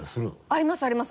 ありますあります。